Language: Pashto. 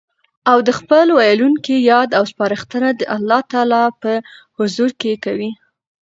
او د خپل ويلوونکي ياد او سپارښتنه د الله تعالی په حضور کي کوي